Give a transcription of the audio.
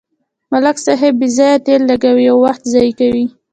ملک صاحب بې ځایه تېل لګوي او وخت ضایع کوي.